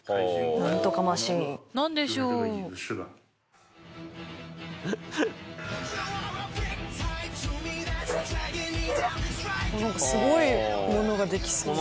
なんかすごいものができそう。